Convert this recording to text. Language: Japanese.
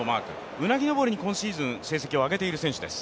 うなぎ登りに今シーズン成績を上げている選手です。